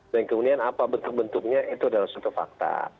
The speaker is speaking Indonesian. dan kemudian apa bentuk bentuknya itu adalah suatu fakta